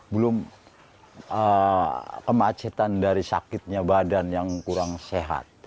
belum kemacetan dari sakitnya badan yang kurang sehat